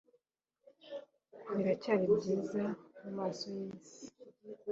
Biracyari byiza mumaso yisi